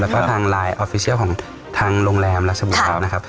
แล้วก็ทางไลน์ออฟฟิเชียลของทางโรงแรมราชบุรณะนะครับ